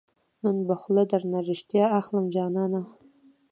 نن به خوله درنه ريښتیا اخلم جانانه